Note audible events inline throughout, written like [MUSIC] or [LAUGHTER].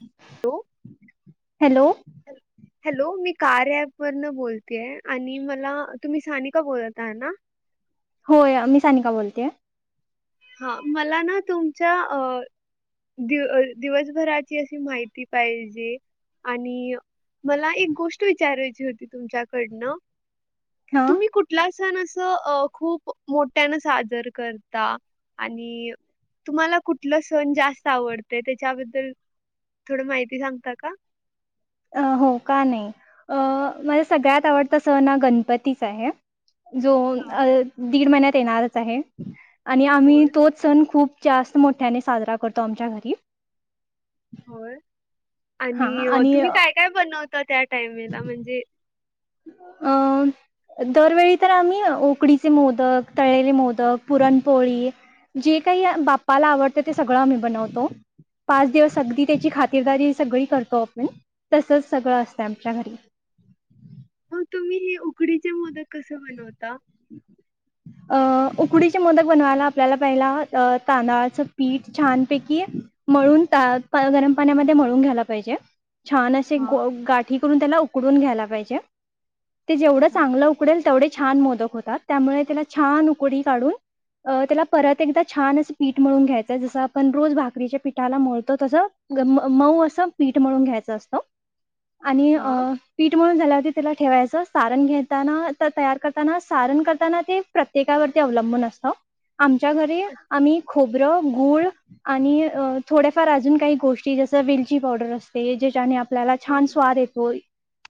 हम् [INAUDIBLE] हो [INAUDIBLE] hello. Hello. Hello मी कार्या ॲप वरन बोलतेय आणि मला तुम्ही सानिका बोलत आहा ना? होय मी सानिका बोलतेय. हा मला ना तुमच्या अ दिव दिवसभराची अशी माहिती पाहिजे. आणि मला एक गोष्ट विचारायची होती तुमच्याकडनं हां तुम्ही कुठला सण अस खूप मोठ्यान साजर करता. आणि तुम्हाला कुठलं सण जास्त आवडते त्याच्याबद्दल थोडं माहिती सांगता का? अ हो का नाही अ मला सगळ्यात आवडता सण हा गणपतीचा आहे. जो हा अं दीड महिन्यात येणारच आहे. आणि आम्ही होय तोच सण खूप जास्त मोठ्याने साजरा करतो आमच्या घरी. होय, आणि तुम्ही काय, काय बनवता त्या टाईयमेला म्हणजे अ दरवेळी तर आम्ही उकडीचे मोदक, तळेले मोदक, पुरणपोळी जे काही बाप्पाला आवडतं ते सगळं आम्ही बनवतो. पाच दिवस अगदी तेची खातीरदारी सगळी करतो आपण तसच सगळं असतं आमच्या घरी. हम्म. मग तुम्ही हे उकडीचे मोदक कसे बनवता? ह [UNINTELLIGIBLE] अं उकडीचे मोदक बनवायला आपल्याला पहिला तांदळाचं पीठ छान पैकी मळून त गरम पाण्यामध्ये मळून घ्यायला पाहिजे. छान असे हां, ग गाठी करून त्याला उकडून घ्यायला पाहिजे ते जेवढ हां, चांगलं उकडेल तेवढे छान मोदक होतात त्यामुळे त्याला छान उकडी काढून त्याला परत एकदा छान असं पीठ मळून घ्यायचंय जसं आपण रोज भाकरीच्या पीठाला मळतो तस. गम म मऊ असं पीठ मळून घ्यायचं असत. [UNINTELLIGIBLE] आणि हां, पीठ मळून झाल्यावर त्याला ठेवायचं सारण घेताना तयार करताना सारण करताना ते प्रत्येकावरती अवलंबून असतं आमच्या घरी अच्छा. आम्ही खोबर, गुळ आणि थोड्याफार अजून काही गोष्टी जस वेलची पावडर असते ज्याच्याने आपल्याला छान हां, स्वाद येतोय.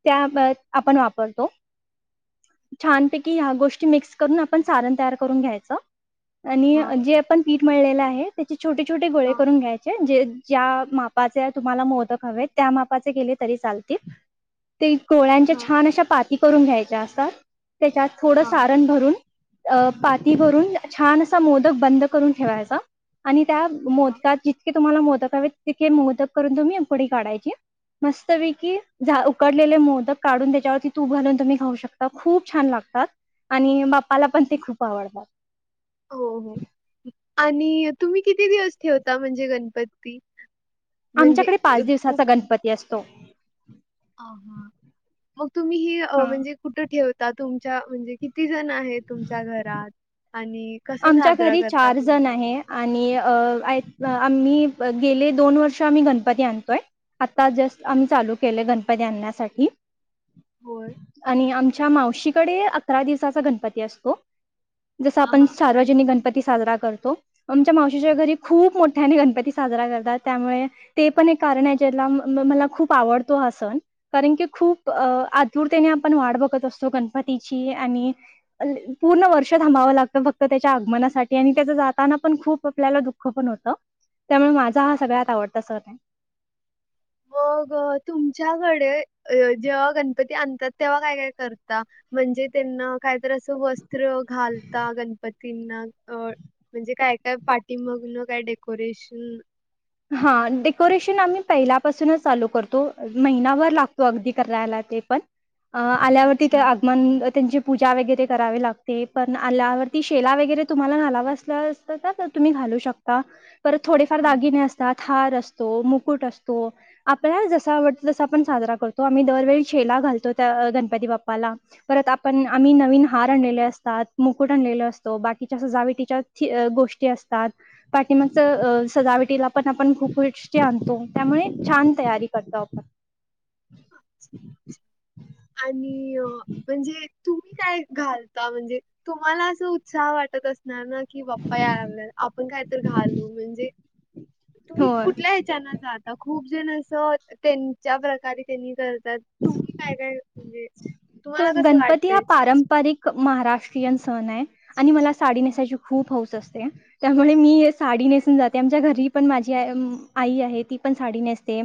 त्या आपण वापरतो छान पैकी ह्या गोष्टी मिक्स करून आपण सारण तयार करून घ्यायच आणि हां, ज आपण पीठ मळलेलं आहे त्याचे छोटे, छोटे गोळे हां, करून घ्यायचे जे ज्या मापाचे तुम्हाला मोदक हवेेत त्या मापाचे केले तरी चालतील. ते गोळ्यांच्या हां, छान अशा पाती करून घ्यायच्या असतात. त्याच्यात थोडं हां, सारण भरून अ पातीभरून छान असा मोदक बंद करून ठेवायचा आणि त्या हां. मोदकात जितके तुम्हाला मोदक हवे तितके मोदक करून तुम्ही कडी काढायची. मस्त पैकी उकडलेले मोदक काढून त्याच्यावरती तूप घालून तुम्ही खाऊ शकता खूप खूप छान लागतात आणि बाप्पाला पण ते खूप आवडतात. हो हो आणि तुम्ही किती दिवस ठेवता म्हणजे गणपती? म्हणजे आमच्याकडे अ, पाच दिवसाचा गणपती असतो. हा हा, मग तुम्ही ही हा म्हणजे कुठं ठेवता तुमच्या म्हणजे किती जण आहे तुमच्या घरात? आणि कसं आमच्या साजरा घरी करता चार जण तुम्ही? आहे आणि अं ऐकना आम्ही गेले दोन वर्ष आम्ही गणपती आणतोय. आता जस्ट आम्ही चालू केलंय गणपती आणण्यासाठी होय. आणि आमच्या मावशीकडे अकरा दिवसाचा गणपती असतो. हां, पण हां. सार्वजनिक अरे गणपती साजरा करतो. आमच्या मावशीच्या घरी खूप मोठ्याने गणपती साजरा करतात त्यामुळे ते पण एक कारण आहे ज्याला मला खूप आवडतो हा सण. कारण की खूप अ आतुरतेने आपण वाट बघत असतो गणपतीची आणि पूर्ण वर्ष थांबावं लागत फक्त त्याच्या आगमनासाठी आणि त्याचं जाताना पण खूप आपल्याला दुःख पण होतं. त्यामुळे माझा हा सगळ्यात आवडता सण आहे. मग तुमच्याकडे जेव्हा गणपती आणतात तेव्हा काय, काय करता? म्हणजे त्यांना काय तर असं वस्त्र घालता गणपतींना अ म्हणजे काय, काय पाटी मागन काय डेकोरेशन हा डेकोरेशन आम्ही पहिल्यापासूनच चालू करतो महिनाभर लागतो अगदी करायला ते पण. अ आल्यावर अच्छा, तिथे अच्छा. आगमन त्यांची पूजा वगैरे करावी लागते पण आल्यावरती शेला वगैरे तुम्हाला घालावं असलं असतं तर तर तुम्ही घालू शकता. परत थोडेफार हां, हां. दागिने असतात. हार असतो. मुकुट असतो. आपल्याला जसा आवडत, तसा आपण साजरा करतो. आम्ही दरवेळी शेला घालतो. त्या, गणपती बाप्पाला. परत आपण, आम्ही नवीन हार आणलेले असतात. मुकुट आणलेले असतो. बाकीच्या असं, जावे तिच्या गोष्टी असतात. पाठीमागचं अ सजावटीला पण आपण खूप गोष्टी आणतो. त्यामुळे छान तयारी करतो आपण. अच्छा, अच्छा. आणि अ म्हणजे तुम्ही काय घालता? म्हणजे तुम्हाला असं, उत्साह वाटत असणार ना? कि, बाप्पा यायला लागले. आपण काय तर घालू. म्हणजे, तुम्ही होय. कुठल्या त्यांना जाता. खूप जण असं त्यांच्या प्रकारे त्यांनी कर तात. तुम्ही काय- काय? म्हणजे तो तुम्हाला कसं गणपती हा वाटतंय? पारंपरिक महाराष्ट्रीयन सणय. आणि मला साडी नेसायची खूप हौस असते. अं. त्यामुळे मी साडी अरे नेसून वा. जाते. आमच्या घरी पण माझी आ- आई आहे. ती पण साडी नेसते.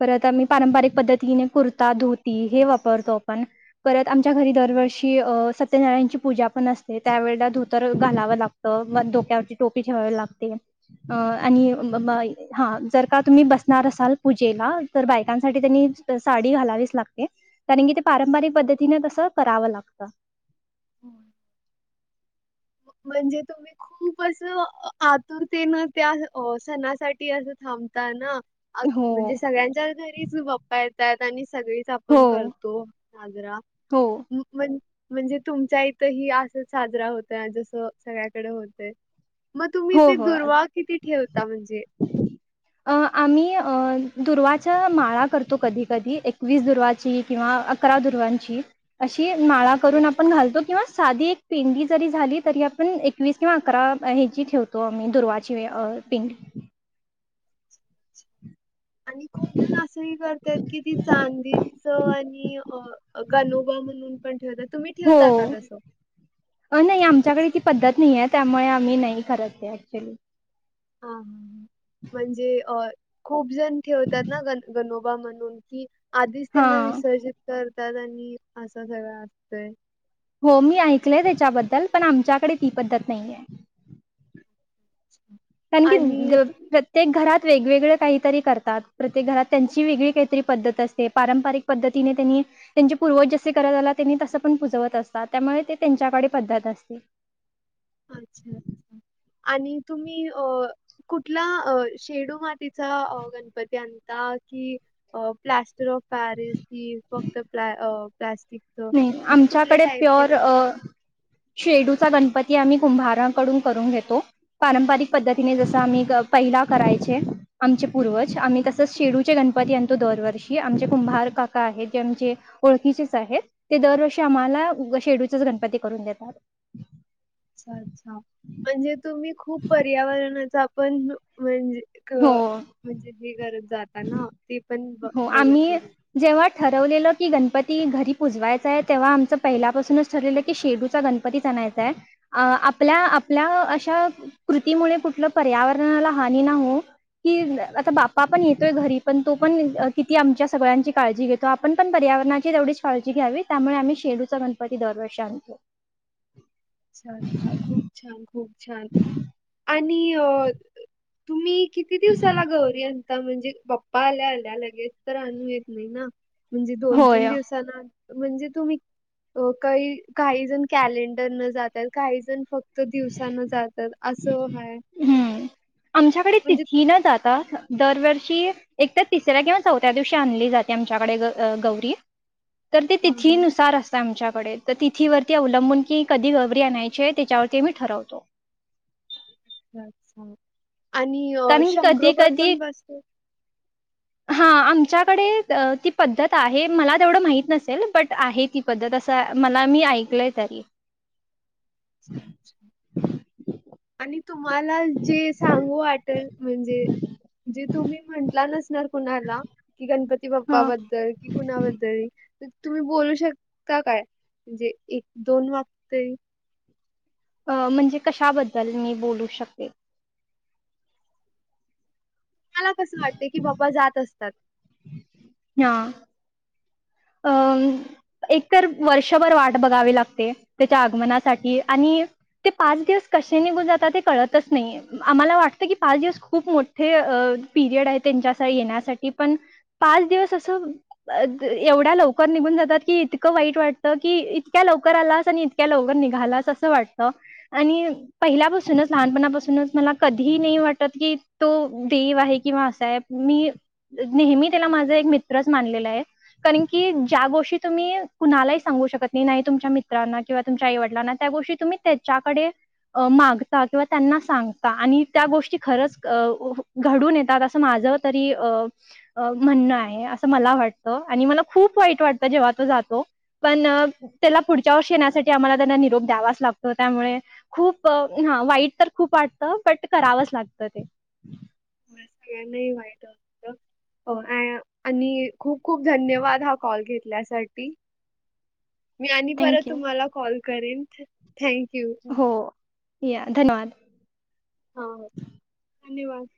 परत आम्ही पारंपरिक पद्धतीने कुर्ता- धोती हे वापरतो. आपण परत आमच्या घरी, दरवर्षी अ सत्यनारायणची पूजा पण असते. त्यावेेळेला धोतर घालाव लागत. तं. म डोक्यावरती टोपी ठेवावी लागते. अ आणि ब हा, जर का तुम्ही बसणार असाल पूजेला. तर बायकांसाठी, त्यांनी साडी घालावीच लागते. कारण की, ते पारंपरिक पद्धती तिन तसं, करावं लागतं. हो. म्हणजे तुम्ही खूप असं, आतुरतेन त्या अ सणासाठी असं थांबता ना. अ हो, म्हणजे सगळ्यांच्याच घरीच गप्पा येतायत. आणि सगळी हो, आपण करतो, साजरा. हो, म म्ह म्हणजे तुमच्या इथंही, असंच साजरा होतय. जसं, सगळ्याकडे होतय. मग तुम्ही हो, ते हो. दुर्वा किती ठेवता? म्हणजे अ आम्ही अ दुर्वाच्या माळा करतो. कधी - कधी एकवीस दुर्वाची. किंवा अकरा दुर्वांची. अशी माळा करून अच्छा आपण घालतो. किंवा साधी एक पेंडी जरी झाली. तरी आपण एकवीस किंवा अकरा हे ची ठेवतो आम्ही. दुर्वाची अ पिंडी. आणि खूप जण असंही करतेत की, ती चांदी च आणि गनोबा म्हणून पण ठेवतात. तुम्ही हो. ठेवता का तसं? अ नाही, आमच्याकडे अच्छा. ती पद्धत नाहीय. त्यामुळे आम्ही नाही करत ते. ऍक्च्युली. हा, हा, हा. म्हणजे अ खूप जण ठेवतात ना. ग गनोबा म्हणून. की, आधीच त्यांना हां. विसर्जित करतात. आणि असं सगळं असतंय. हो, मी ऐकलंय त्याच्याबद्दल. पण आमच्याकडे ती पद्धत नाहीय. अच्छा. आणखीन देव [UNINTELLIGIBLE] ते घरात वेगवेगळे काहीतरी करतात. प्रत्येक घरात त्यांची, वेगळी काहीतरी पद्धत असते. पारंपरिक पद्धतीने त्यांनी त्यांचे पूर्वज जसे करत आला. त्यांनी तसं पण पुजवत असतात. त्यामुळे ते त्यांच्याकडे पद्धत असते. अच्छा, अच्छा. आणि तुम्ही अ कुठला अ शेडू मातीचा गणपती आणता कि अ प्लास्टर ऑफ पॅरिस कि फक्त प्याल- प्लास्टिकच? नाही आमच्याकडे प्युअर अ शेडूचा गणपती आम्ही कुंभाराकडून करून घेतो. पारंपरिक पद्धतीने जसं आम्ही पहिला करायचे. आमचे पूर्वज आम्ही तसंच शेडूचे गणपती आणतो दरवर्षी आमचे कुंभार काका आहेत जे आमचे ओळखीचेच आहेत ते दरवर्षी आम्हाला शेडूच्याच गणपती करून देतात. अच्छा अच्छा, म्हणजे तुम्ही खूप पर्यावरणाचा पण म्हणजे ख, हो म्हणजे हे करज जाताना ती पण ब हो बघत आम्ही बघत जेव्हा ठरवलेलं की गणपती घरी पुजवायचाय तेव्हा आमचं पहिल्यापासूनच ठरलेलं की शेडूचा गणप पतीच आणायचाय. अ आपल्या आपल्या अशा, कृतीमुळे कुठलं पर्यावरणाला हानी ना हो. कि आता बाप्पा पण येतोय घरी पण तो आपण किती आमच्या सगळ्यांची काळजी घेतो आपण पण पर्यावरणाची तेवढीच काळजी घ्यावी त्यामुळे आम्ही शेडूचा गण गणपती दरवर्षी आणतो. अच्छा अच्छ खूप छान खूप छान, आणि अ, तुम्ही किती दिवसाला गौरी आणता म्हणजे पप्पा आल्या आल्या लगेच तर आणू येत नाही ना. म्हणजे दोन तीन होय. दिवसांन म्हणजे तुम्ही, काई काही जण कॅलेंडर न जात्या काही जण फक्त दिवसान जातात. असं आहे हम्म, आमच्याकडे म्हणजे तिथी न जाता दरवर्षी. एक तर तिसऱ्या किंवा चौथ्या दिवशी आणली जाते आमच्याकडे ग - गौरी. तर ते हा तिथी हा नुसार अस त आमच्याकडे त तिथी वरती अवलंबून की कधी गवरी आणायची त्याच्यावरती आम्ही ठरवतो. अच्छा, आणि कारण की कधी शंकरोभा कधी पण बसतो. हा आमच्याकडे ती पद्धत आहे मला तेवढं माहित नसेल बट आहे ती. पद्धत असा मला मी ऐकलय तरी. अच्छा अच्छा. आणि तुम्हाला जे सांगू वाटल म्हणजे जे तुम्ही म्हंटला नसणार कुणाला, कि गणपती बाप्पा हा बद्दल कि कोणाबदरी, तुम्ही बोलू शकता, काय, म्हणजे एक दोन वाकतय अ म्हणजे कशाबद्दल मी बोलू शकते. मला कसं वाटतय की बप्पा जात असतात. हा. अंम. एकतर वर्षभर वाट बघावी लागते, त्याच्या आगमनासाठी आणि ते पाच दिवस कशे निघून जातात ते कळतच नाही आम्हाला वाटत की पाच दिवस खूप मोठ हे पिरियड आहे त्यांच्या अस येण्यासाठी पण, पाच दिवस असं, अ ते एवढ्या लवकर निघून जातात की इतकं वाईट वाटतं की इतक्या लवकर आलास आणि इतक्या लवकर निघालास अस. अस वाटत, आणि पहिल्यापासूनच लहानपणापासूनच मला कधी नाही वाटत की तो देव आहे किंवा अस हाय. मी, नेहमी त्याला माझा एक मित्रच मानलेला आहे. कारण की ज्या गोष्टी तुम्ही कुणालाही सांगू शकत नाही तुमच्या मित्रांना किंवा तुमच्या आईवडलांना त्या गोष्टी तुम्ही त्याच्याकडे, मागता किंवा त्यांना सांगता आणि त्या गोष्टी खरंच अ घडून येतात, अस माझ तरी अ म्हणणं आहे असं मला वाटत. आणि मला खूप वाईट वाटत जेव्हा तो जातो.. पण त्याला पुढच्या वर्षी येण्यासाठी आम्हाला त्यांना निरोप द्यावाच लागतो त्यामुळे खूप हा वाईट तर खूप वाटतं बट करावंच लागतं ते. मला सगळ्यांनाही वाईट असत अ आणि खूप खूप धन्यवाद हा कॉल घेतल्यासाठी. मी आणि थँक परत यू. तुम्हाला कॉल करेन थँंक यू. हो या धन्यवाद. हा धन्यवाद.